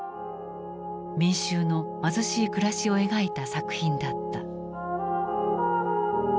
民衆の貧しい暮らしを描いた作品だった。